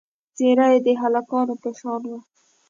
څېره یې د هلکانو په شان وه.